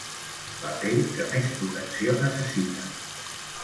La pell que més protecció necessita.